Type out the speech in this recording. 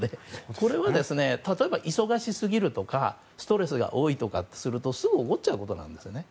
これは、例えば忙しすぎるとかストレスが多いとかするとすぐ起こっちゃうことなんですね。